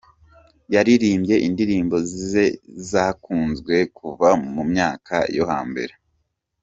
Yaririmbye indirimbo ze zakunzwe kuva mu myaka yo hambere